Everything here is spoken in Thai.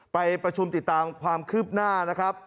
ไปประชุมติดตามความคืบหน้านะครับ